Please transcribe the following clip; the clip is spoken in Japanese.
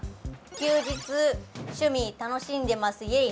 休日趣味楽しんでますイエイ！